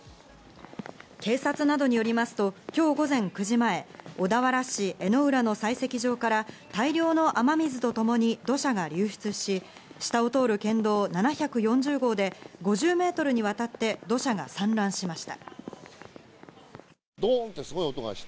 警察などによりますと今日午前９時前、小田原市江之浦の採石場から大量の雨水とともに土砂が流出し、下を通る県道７４０号で５０ｍにわたって土砂が散乱しました。